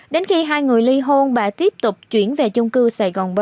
đến khi hai người ly hôn bà tiếp tục chuyển về chung cư sài gòn bốn